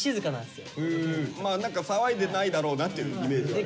まあ何か騒いでないだろうなっていうイメージはある。